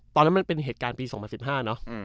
มันเป็นเหตุการณ์ปี๒๐๑๕เนอะ